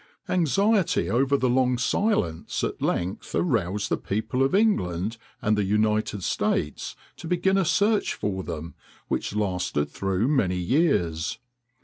Anxiety over the long silence at length aroused the people of England and the United States to begin a search for them which lasted through many years.